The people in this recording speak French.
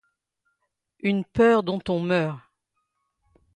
Une peur dont on meurt.